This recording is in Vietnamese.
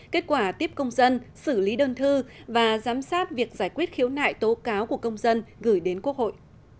kết quả tiếp công dân xử lý đơn thư và giám sát việc giải quyết khiếu nại tố cáo của công dân gửi đến quốc hội